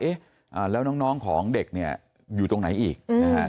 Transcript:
เอ๊ะแล้วน้องของเด็กเนี่ยอยู่ตรงไหนอีกนะฮะ